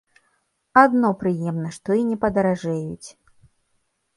Адно прыемна, што і не падаражэюць.